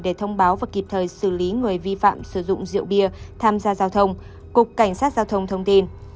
để thông báo và kịp thời xử lý người vi phạm sử dụng rượu bia tham gia giao thông cục cảnh sát giao thông thông tin